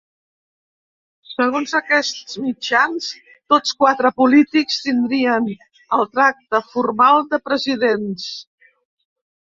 Segons aquests mitjans, tots quatre polítics tindrien el tracte formal de presidents.